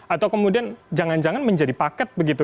atau kemudian jangan jangan menjadi paket begitu